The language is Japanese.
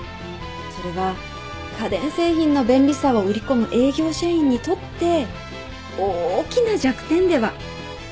それは家電製品の便利さを売り込む営業社員にとって大きな弱点では？